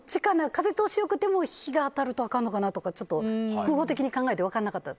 風通しが良くても日が当たるとあかんのかなとか複合的に考えて分からなかった。